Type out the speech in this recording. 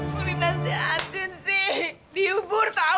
gua di nasihatin sih dihibur tau